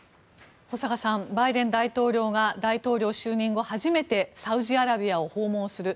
保坂さんバイデン大統領が大統領就任後初めてサウジアラビアを訪問する。